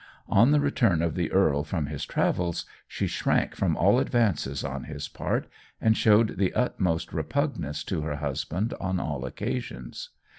On the return of the earl from his travels, she shrank from all advances on his part, and showed the utmost repugnance to her husband on all occasions.